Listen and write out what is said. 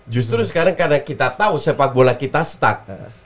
justru sekarang karena kita tahu sepak bola kita stuck